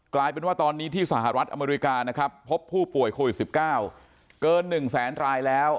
กลายเป็นว่าตอนนี้ที่สหรัฐอเมริกานะครับพบผู้ป่วยโควิด๑๙เกิน๑แสนรายแล้ว